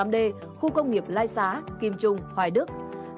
hai nghìn chín trăm linh tám d khu công nghiệp lai xá kim trung hoài đức